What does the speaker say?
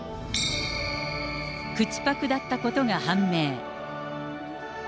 口パクだったことが判明。